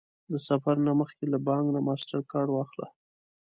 د سفر نه مخکې له بانک نه ماسټرکارډ واخله